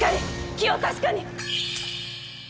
気を確かに！